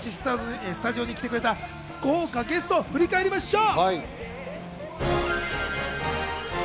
今年スタジオに来てくれた豪華ゲストを振り返りましょう。